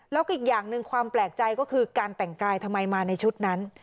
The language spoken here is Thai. แล้วก็อีกอย่างหนึ่งความแปลกใจก็คือการแต่งกายทำไมมาในชุดนั้น